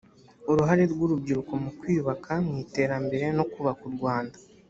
uruhare rw urubyiruko mu kwiyubaka mu iterambere no kubaka u rwanda